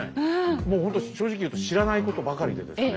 もうほんと正直言うと知らないことばかりでですね